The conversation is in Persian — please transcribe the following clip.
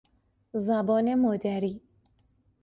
زبان مادری